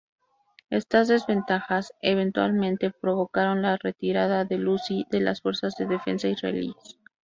Estas desventajas eventualmente provocaron la retirada del Uzi de las Fuerzas de Defensa Israelíes.